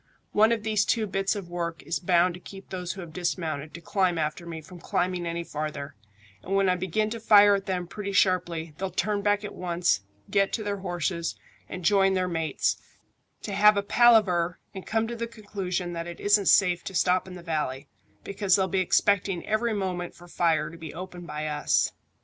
One of these two bits of work is bound to keep those who have dismounted to climb after me from climbing any farther, and when I begin to fire at them pretty sharply they'll turn back at once, get to their horses, and join their mates, to have a palaver and come to the conclusion that it isn't safe to stop in the valley, because they'll be expecting every moment for fire to be opened by us.